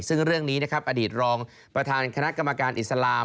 ซึ่งเรื่องนี้นะครับอดีตรองประธานคณะกรรมการอิสลาม